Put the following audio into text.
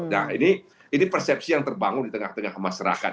nah ini persepsi yang terbangun di tengah tengah masyarakat